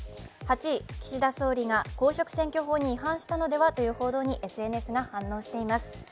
８位、岸田総理が公職選挙法に違反したのではという報道にＳＮＳが反応しています。